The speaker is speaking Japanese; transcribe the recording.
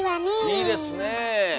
いいですねえ。